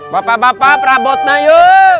bapak bapak prabotnya yuk